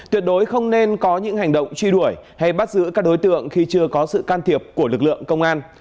tuyệt đối không nên có những hành động truy đuổi hay bắt giữ các đối tượng khi chưa có sự can thiệp của lực lượng công an